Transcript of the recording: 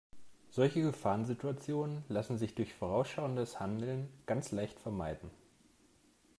Solche Gefahrensituationen lassen sich durch vorausschauendes Handeln ganz leicht vermeiden.